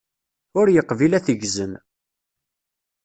Ur yeqbil ad t-ggzen.